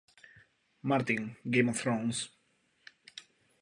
Martin, Game of Thrones.